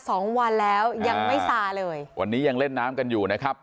สองวันแล้วยังไม่ซาเลยวันนี้ยังเล่นน้ำกันอยู่นะครับ